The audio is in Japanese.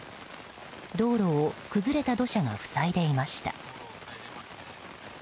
道路を崩れた土砂が塞いでいました。